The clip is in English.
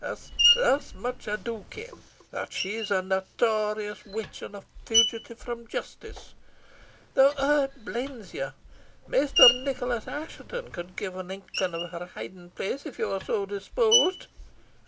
Thus much I do ken that she is a notorious witch, and a fugitive from justice; though siblins you, Maister Nicholas Assheton, could give an inkling of her hiding place if you were so disposed.